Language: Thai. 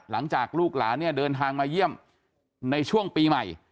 หลังจากลูกหลานเนี่ยเดินทางมาเยี่ยมในช่วงปีใหม่